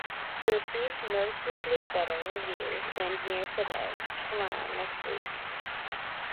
It received noticeably better reviews than Here Today, Tomorrow Next Week!